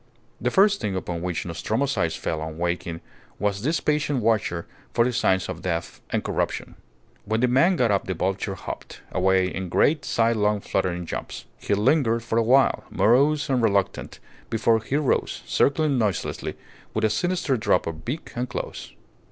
The first thing upon which Nostromo's eyes fell on waking was this patient watcher for the signs of death and corruption. When the man got up the vulture hopped away in great, side long, fluttering jumps. He lingered for a while, morose and reluctant, before he rose, circling noiselessly with a sinister droop of beak and claws.